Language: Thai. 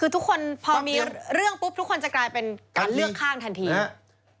คือทุกคนพอมีเรื่องปุ๊บทุกคนจะกลายเป็นการเลือกข้างทันที